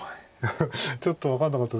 ちょっと分かんなかった。